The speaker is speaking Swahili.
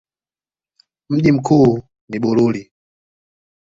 Mji mkuu ni Bururi.